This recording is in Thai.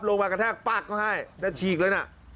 ลงมากระแทกปลากก็ให้นัดฉีกเลยน่ะ